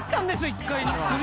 １回。